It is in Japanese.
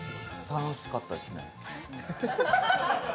楽しかったですね。